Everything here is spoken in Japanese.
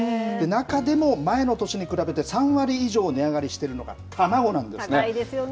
中でも、前の年に比べて３割以上値上がりしてるのが卵なんですよね。